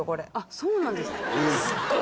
そうなんですか。